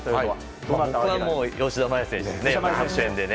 僕は吉田麻也選手ですね。